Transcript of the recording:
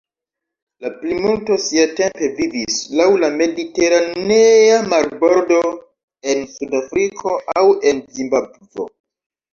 La plimulto siatempe vivis laŭ la mediteranea marbordo, en Sudafriko, aŭ en Zimbabvo.